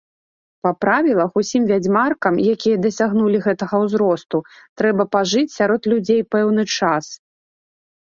Па правілах усім вядзьмаркам, якія дасягнулі гэтага ўзросту, трэба пажыць сярод людзей пэўны час.